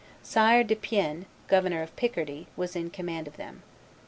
Sire de Piennes, governor of Picardy, was in command of them.